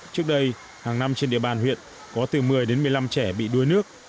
trước đây hàng năm trên địa bàn huyện có từ một mươi đến một mươi năm trẻ bị đuối nước